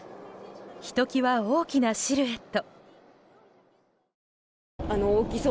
ひときわ大きなシルエット。